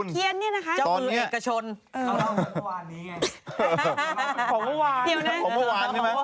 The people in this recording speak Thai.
เขียนเนี่ยนะคะ